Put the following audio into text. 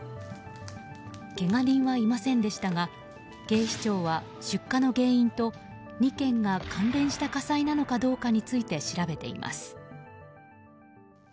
けが人はいませんでしたが警視庁は出火の原因と２件が関連した火災なのかどうかについて調べています。